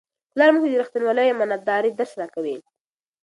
پلار موږ ته د رښتینولۍ او امانتدارۍ درس راکوي.